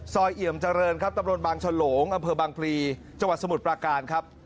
ซอยเหยียมเจริญครับตำรวจบางชะโหลงอำเภอบางพรีจังหวัดสมุทรประการครับ